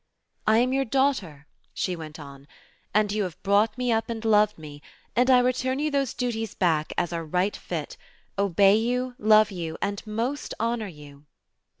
"I am your daughter," she went on, "and you have brought me up and loved me, and I return you those duties back as are right fit, obey you, love you, and most honor you."